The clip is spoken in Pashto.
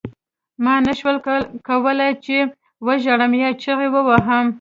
ما نشول کولای چې وژاړم یا چیغې ووهم